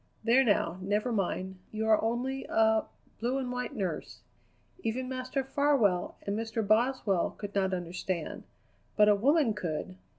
There, now, never mind. You are only a blue and white nurse. Even Master Farwell and Mr. Boswell could not understand; but a woman could.